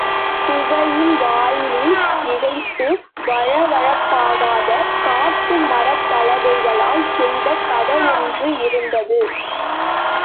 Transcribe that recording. குகையின் வாயிலில் இழைத்து வழவழப்பாகாத காட்டு மரப்பலகைகளால் செய்த கதவொன்று இருந்தது.